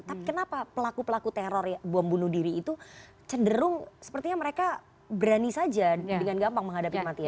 tapi kenapa pelaku pelaku teror ya bom bunuh diri itu cenderung sepertinya mereka berani saja dengan gampang menghadapi kematian